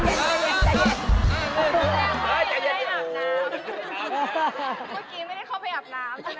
เมื่อกี้ไม่ได้เข้าไปอาบน้ำใช่ไหม